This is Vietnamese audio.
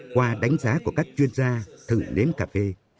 qua đánh giá của các chuyên gia thử nếm cà phê